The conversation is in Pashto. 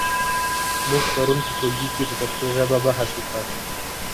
موږ پرون په ټولګي کې په پښتو ژبه بحث وکړ.